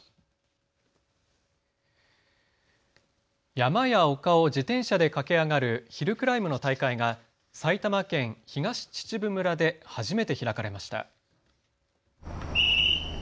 山や丘を自転車で駆け上がるヒルクライムの大会が埼玉県東秩父村で初めて開かれました。